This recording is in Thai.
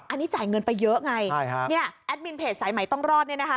อันนี้จ่ายเงินไปเยอะไงแอดมินเพจสายไหม่ต้องรอดนี่นะครับ